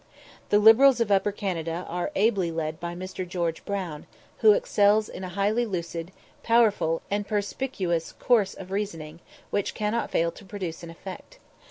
The Liberals of Upper Canada are ably led by Mr. George Brown, who excels in a highly lucid, powerful, and perspicuous course of reasoning, which cannot fail to produce an effect.